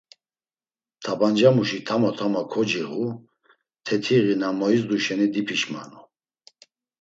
Tabancamuşi tamo tamo kociğu, tetiği na moizdu şeni dipişmanu.